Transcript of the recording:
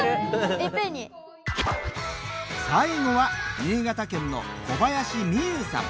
最後は新潟県の小林珠夕さん。